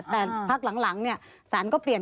แต่พักหลังนี่